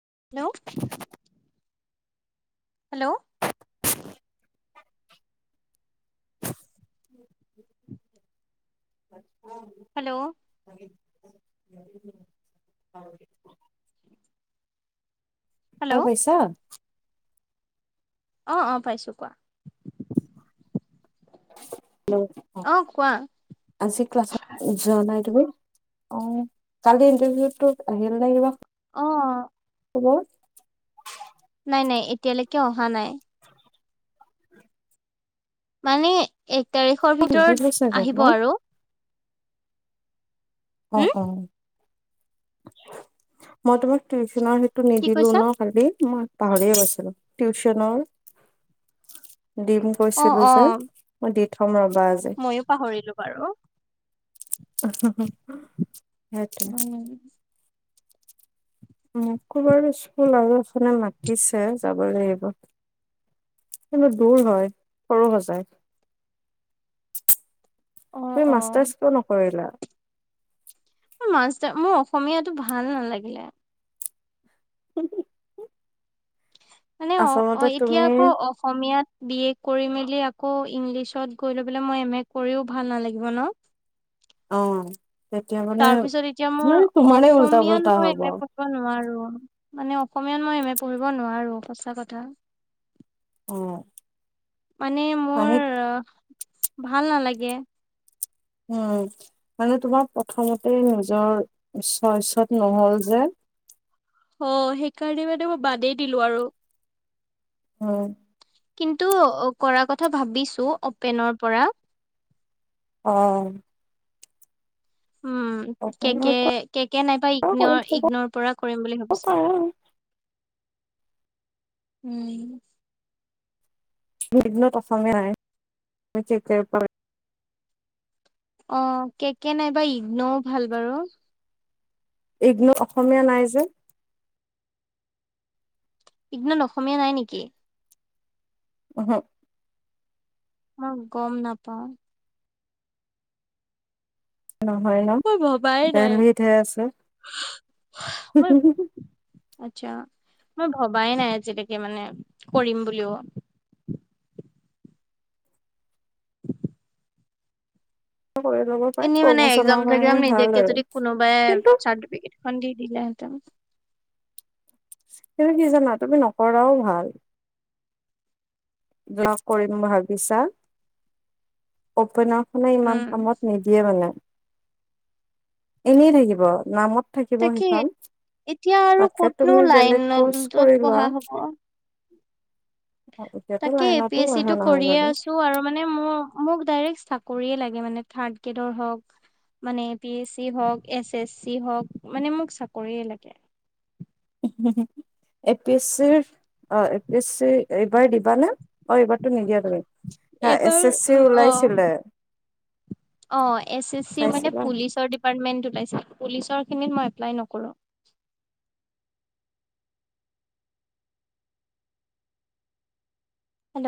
Hello. Hello. [inaudible] Hello. আৰু ন hello পইছা অহ অ' পাইছো কোৱা অহ। অ' কোৱা আজি ক্লাছ যোৱা নাই তুমি। অ' কালি ইণ্টাৰভিউটো আহিব লাগিব। অ'। খবৰ। নাই, নাই এতিয়ালেকে অহা নাই। মানে এক তাৰিখৰ নিদিলো ভিতৰত চাগে ন? আহিব আৰু অ', হুম -অ'। মই তোমাক টিউচনৰ সেইটো কি নিদিলো কৈছা ন' কালি মই পাহৰি গৈছিলো টিউশ্যনৰ দিম অ কৈছিলো অ যে, মই দি থম ৰ' ময়ো পাহৰিলো বাৰু উহ হো উম'। খবৰ বাৰু পাইছো আৰু এফালে মাতিছে যাবই লাগিব। কিন্তু দূৰ হয় সৰু সজাই। অ তুমি অ মাষ্টাৰছ কিয় নকৰিলা? মাছটাৰ মোৰ অসমীয়াটো ভাল নালাগিলে। [unintelligible] মানে আচলতে অ'-অ' এতিয়া তুমি আকৌ অসমীয়াত বি এ কৰি মেলি আকৌ ইংলিছত গৈ লৈ পেলাই মই এম এ কৰিও ভাল নালাগিব ন। অ' তেতিয়া মানে তাৰ পিছত এতিয়া মোৰ মানে তোমাৰে উল্টা অসমীয়াত পুল্টা মই এ হব মে' কৰিব নোৱাৰো। মানে অসমীয়াত মই এম এ পঢ়িব নোৱাৰো সঁচা কথা। অ মানে মানে মোৰ ভাল নালাগে উম মানে তোমাৰ প্ৰথমতে নিজৰ চইচত নহল যে অ সেইকাৰণে মানে মই বাদেই দিলো আৰু অ কিন্তু কৰা কথা ভাবিছো অপেনৰ পৰা অ উম অসমৰ কেকে কেকে নাইবা পৰা কৰি ইগ্নৰ থব ইগ্নৰ পৰা কৰিম বুলি ভাবিছো [unintelligible] উম ইগ্নত অসমীয়াই কেকে অ কে কে নাইবা ইগ্নও ভাল বাৰু ইগ্নো অসমীয়া নাই যে ইগনত অসমীয়া নাই নিকি উহু অ গম নাপাও নহয় ন মই ভবাই নাই দেলহিতহে আছে মই আত ছা মই ভবাই নাই আজিলকে মানে কৰিম বুলিও কৰি ল'ব পাৰি এনেই মানে প্ৰমোচনৰ এক্জাম কাৰণে চেকজাম ভাল নিদিয়াকে আৰু যদি কোনোবাই কিন্তু চাৰ্টিফিকেট খন দি দিলেহেঁতেন। তুমি কি জানা তুমি নকৰাও ভাল। ব্লগ কৰিম ভাবিছা‌ অপেনত মানে ইমান উম, কামত নিদিয়ে মানে। এনেই থাকিব নামত থাকিব তাকে সেইখন এতিয়া আৰু তাকে ক'তনো তুমি বেলেগ কৰ্চ লাইনতত কৰি লোৱা। পঢ়া হ'ব। এতিয়াতো তাকে এ পি লাইনতো এছ চি অহা টো নহয় কৰিয়ে বাৰু আছো আৰু মানে মোৰ মোক ডাইৰেক্ট চাকৰিয়ে লাগ মানে থাৰ্ড গ্ৰেডৰ হওক- মানে বি এছ চি হওক এছ এছ চি হওক মানে মোক চাকৰিয়ে লাগে। উ উ [unintelligible] এ পি এছ চি অ এ পি এছ চি এইবাৰ দিবানে অ এইবাৰতো নিদিয়া তুমি হা এইপ এছ এছ চিৰ অ। ওলাইছিলে অ এছ এছ চিৰ মানে চাইছিলা পুলিচৰ ডিপাৰ্টমেন্ট ওলাইছিল। পুলিচৰ খিনিত মই এপ্লাই নকৰোঁ। Hello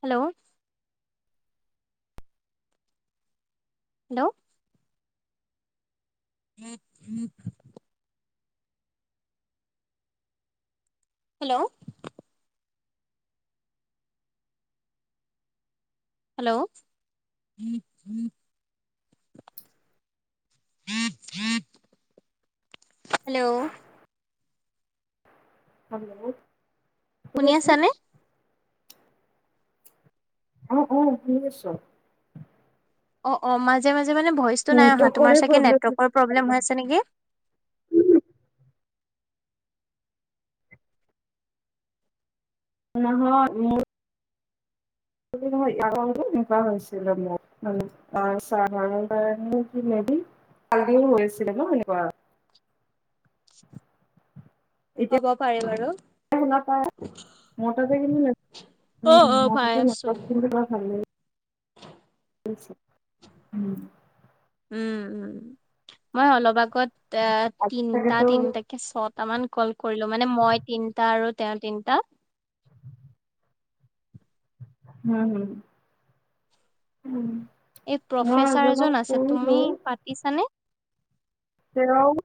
hello hello [unintelligible] hello hello hello hello শুনি আছা নে? আহ অ শুনি আছো অ অ মাজে মাজে- টে মানে ভইচ নাই অহা নেটৱৰ্কৰে তোমাৰ চাগে প্ৰব্লেম নেটৱৰ্কৰ প্ৰব্লেম নেকি? নহৈ মোৰ - এনেুৱা হৈছিল মোৰ চ ম [inaudible] কালিও হৈছিলে ন এনেকুৱা হব পাৰে বাৰু। শ ন প অ অ পাই আছো। [inaudible] [unintelligible] ছ উম! উম! উম! মই অলপ আগত আহ, আজি তিনটা চাগেতো তিনিটাকে চত দুটামান কল কৰিলোঁ মানে মই তিনটা আৰু তেওঁ তিনিটা হোম, হোম, উম! এই মই প্ৰফেচাৰ এজনক এজন আছে তুমি কৰিলো পাতিছানে? হেল্ল'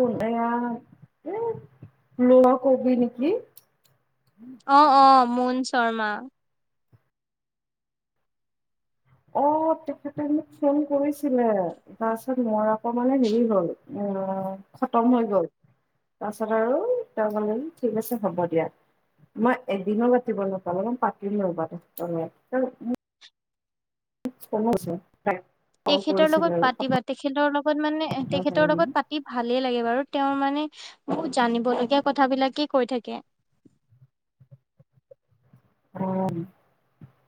উম! এয়া, লোৱা কবি নেকি, অ, অ, মৌন শৰ্মা অ তেখেতে মোক ফোন কৰিছিলে তাৰপিছত মই আকৌ মানে হেৰি হল উম! খতম হৈ গ'ল। তাৰপাছত আৰু তেওঁ কলে ঠিক আছে হ'ব দিয়া। মই এদিনো পাতিব নাপালো মই পাতি লবা তুমি ক আছে [unintelligible] তেখেতৰ লগত পাতিবা তেখেতৰ লগত লগত মানে পতাৰ তেখেতৰ কাৰণে লগত পাতি ভালেই লাগে বাৰু তেওঁৰ মানে জানিবলগীয়া কথাবিলাকেই কৈ থাকে অ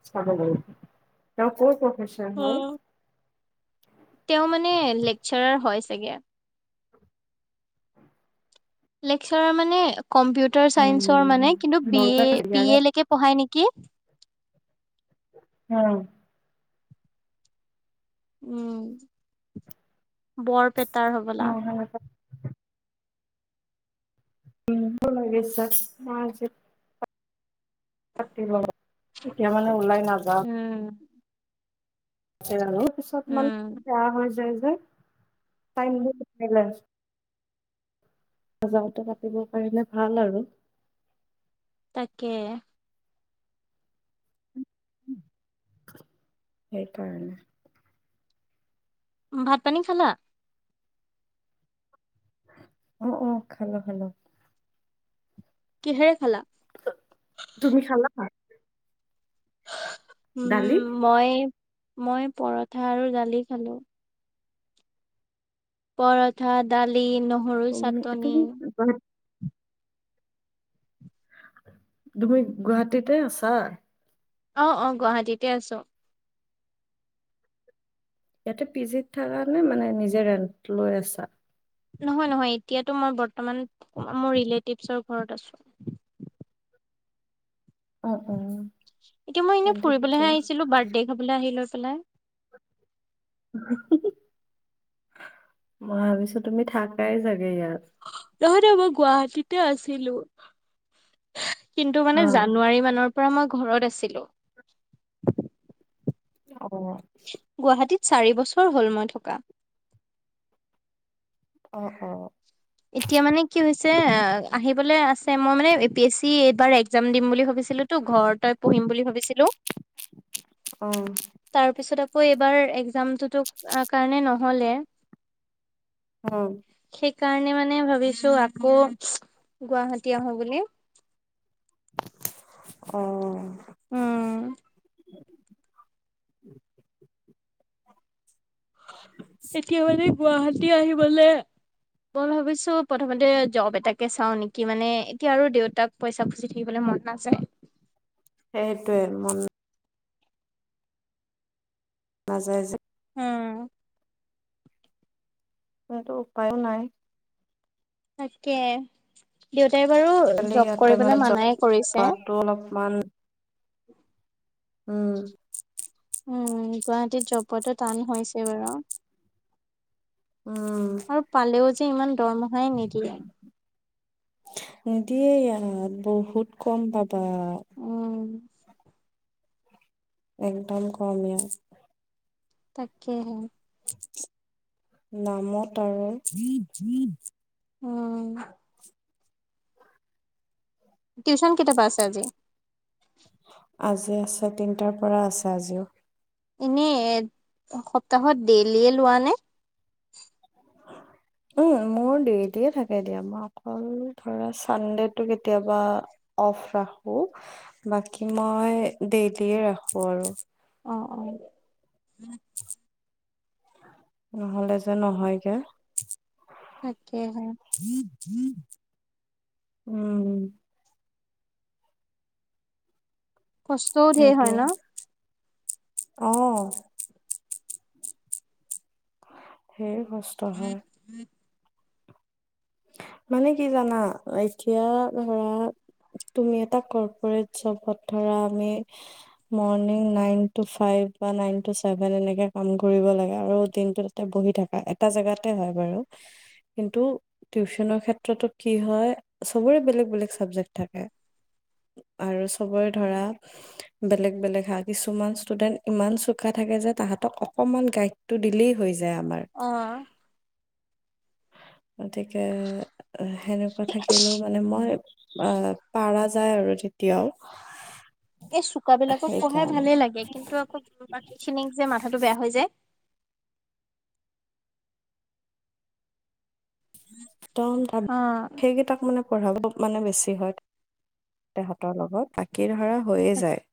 চাব লাগিব উম, [unintelligible] তেওঁ মানে লেকচাৰাৰ হয় লাগে লেকচাৰৰ মানে কম্পিউটাৰ চাইন্সৰ মানে কিন্তু উম বি এ বৰপেটা বি ইয়াৰে এ লৈকে পঢ়ায় নেকি? উম! উম! বৰপেটাৰ হবলা। অ', সেনেকুৱা [unintelligible] এতিয়া মানে ওলাই উম! জান পিছত মানে উম বেয়া হৈ যায় পাই [unintelligible] বজাৰতে কাতিব পাৰিলে ভাল আৰু তাকে সেই কাৰণে ভাত-পানী খালা? অ অ খালোঁ খালোঁ কিহেৰে খালা? তুমি খালা দালি উম! মই মই পৰঠা আৰু দালি খালোঁ। পৰঠা দালি নহৰু তুমি চাটনি তুমি গুৱাহাটী তুমি গুৱাহাটীতে আছা? অ অ গুৱাহাটীতে আছোঁ। ইয়াতে পি জিত থকা নহয় মানে নিজে ৰেণ্ট লৈ আছা? নহয় নহয় এতিয়াতো মই বৰ্তমান মোৰ ৰিলেটিভছৰ ঘৰত আছোঁ। [inaudible] উম! উম! এতিয়া মই এনে ফুৰিবলৈহে আহিছিলোঁ বাৰ্থডে খাবলৈ আহি লৈ পেলাই [inaudible] মই ভাবিছোঁ তুমি থাকাই চাগে ইয়াত নহয়, নহয় মই গুৱাহাটিতে আছিলোঁ কিন্তু মানে হা জানুৱাৰী মানৰ পৰা মই ঘৰত আছিলোঁ। অ, গুৱাহাটীত চাৰি বছৰ হ'ল মই থকা। অ- অ- ছে আহিবলৈ আছে মই মানে এ পি এছ চি এইবাৰ একজাম দিম। ভছিলো ত ঘ তই পিম বুলি ভাবিছিলো অ তাৰ পিছত আ ঐ এইবাৰ এক্জামতো কাৰণে নহলে আহ। সেইকাৰণে মানে ভাবিছো আকৌ গুৱাহাটী আহো বুলি অ উম এতিয়া মানে গুৱাহাটী আহিবলৈ মই ভাবিছো প্ৰথমতে জব এটাকে চাও নেকি মানে এতিয়া আৰু দেউতাক পইচা ফুচি থাকিবলৈ মন আছে সেইটো মন‌ নাজাই উম সেটো উপায়ো নাই। তাকে দে তাই বাৰু খালি যাব ইয়াতে মানে কৰিবলৈ জব মানাই কৰিছে। পোৱাতো অলপমান উম উম গুৱাহাটীত জবটো টান হৈছে বাৰু উম আৰু পালেও যে ইমান দৰমহাই নিদিয়ে। অ বহুত কম পাবা। উম একদম কম ই তাকেহে নামত আৰু। উম টিউশন কেতিয়া‌ পা আছে আজি? আজি আছে তিনিটাৰ পৰা আছে আজিও। এনে সপ্তাহত ডেইলিয়ে লোৱা নে উম উ। মোৰ দেটিয়ে থাকে দিয়া মই অকল ধৰা চানডেটো কেতিয়াবা অফ ৰাখ বাকী মই ডেইলি ৰাখোঁ আৰু অ অ। নহ'লে যে নহয়গে তাকে হে উম উম। কষ্টও ধেৰ হয় ন। অহ ধেই কষ্ট হয়। মানে কি জানা এতিয়া ধৰা তুমি এটা কৰপৰেত চবত ধৰা, morning nine two five nine two seven এনেকে কাম কৰিব লাগে আৰু দিনটো তাতে বহি থাকা এটা জেগাতে হয় বাৰু কিন্তু। টিউশচনৰ ক্ষেত্ৰতো কি হয় সবৰে বেলেগ বেলেগ চাবজেক্ট থাকে। আৰু চবৰে ধৰা বেলেগ বেলেগ হা কিছুমান ষ্টুডেন্ট ইমান চুকা থাকে, কে যে তাহাঁতক ক অকমান গাইডটো দিলেই হৈ যায় আমাৰ অ গতিকে সেনেকুৱা থাকিলেও মানে মই আহ পাৰা যায় আৰু তেতিয়াও। এই চোকাবিলাকক পঢ়াই সেইকাৰণে ভালে লাগে কিন্তু আকৌ বাকী খিনিক যে মাথাটো বেয়া হৈ যায়। একদম অ সেইকেইটাক মানে। পঢ়াবোৰ মানে বেছি হয় তাহাঁতৰ লগত বাকী ধৰা হৈয়ে তাকে যায়।